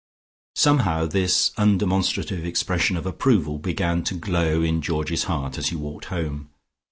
Somehow this undemonstrative expression of approval began to glow in Georgie's heart as he walked home.